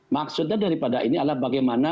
maksudnya daripada ini adalah bagaimana